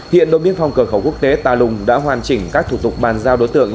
hiện đội biên phòng cửa khẩu quốc tế tà lùng đã hoàn chỉnh các thủ tục bàn giao đối tượng